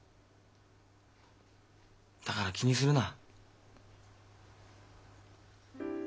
だから気にするな。